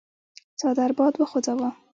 څادر باد وخوځاوه.